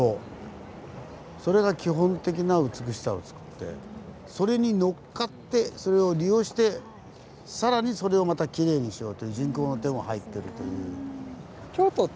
それが基本的な美しさをつくってそれにのっかってそれを利用して更にそれをまたきれいにしようという人工の手も入ってるという。